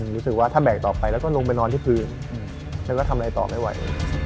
รู้สึกว่าถ้าแบกต่อไปแล้วก็ลงไปนอนที่พื้นฉันก็ทำอะไรต่อไม่ไหว